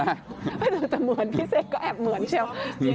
ไม่ต้องจะเหมือนพิเศษก็แอบเหมือนเชียว